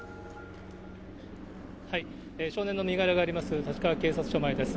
少年の身柄があります、立川警察署前です。